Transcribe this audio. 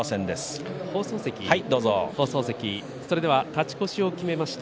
勝ち越しを決めました